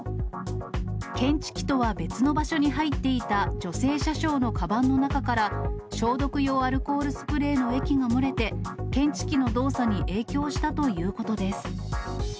検知器とは別の場所に入っていた女性車掌のかばんの中から、消毒用アルコールスプレーの液が漏れて、検知器の動作に影響したということです。